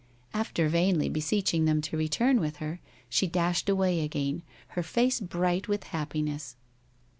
After vainly beseeching them to return with her, she dashed away again, her face bright with happiness.